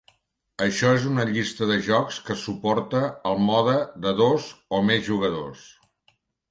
Això és una llista de jocs que suporta el mode de dos o més jugadors.